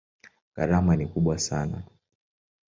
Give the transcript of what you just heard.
Gharama ni kubwa sana.